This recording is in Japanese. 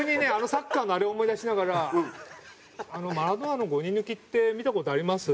サッカーのあれを思い出しながら「マラドーナの５人抜きって見た事あります？」